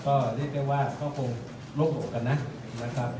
ก็เรียกได้ว่าก็คงลงโหกันนะระดับมุม